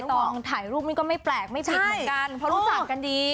ต้องถ่ายรูปนี่ก็ไม่แปลกไม่ผิดเหมือนกันเพราะรู้จักกันดี